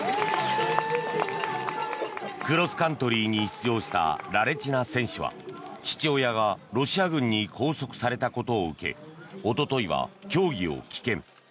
クロスカントリーに出場したラレティナ選手は父親がロシア軍に拘束されたことを受けおとといは競技を棄権。